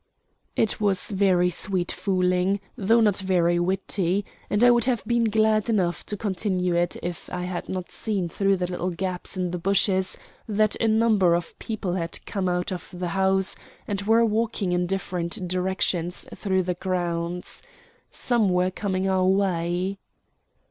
It was very sweet fooling, though not very witty, and I would have been glad enough to continue it if I had not seen through the little gaps in the bushes that a number of people had come out of the house and were walking in different directions through the grounds. Some were coming our way.